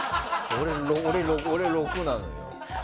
俺、６なのよ。